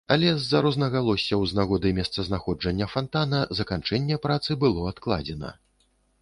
Але з-за рознагалоссяў з нагоды месцазнаходжання фантана заканчэнне працы было адкладзена.